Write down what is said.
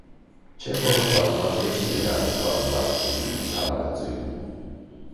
Չեխովը պատմվածքը չի ներառել պատմվածքների իր հավաքածուում։